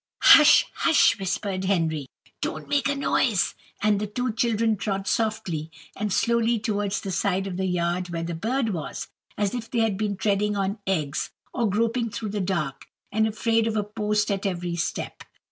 "Hush, hush!" whispered Henry; "don't make a noise." And the two children trod softly and slowly towards the side of the yard where the bird was, as if they had been treading on eggs or groping through the dark and afraid of a post at every step.